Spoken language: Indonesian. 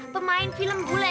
pemain film bule